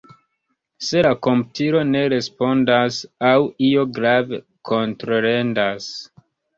Se la komputilo ne respondas aŭ io grave kontrolendas.